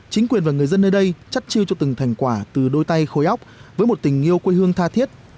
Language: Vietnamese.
chính quyền và người dân nơi đây chất chiêu cho từng thành quả từ đôi tay khối óc với một tình yêu quê hương tha thiết